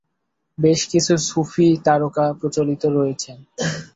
বেশ কিছু সুফি তরিকা প্রচলিত রয়েছে।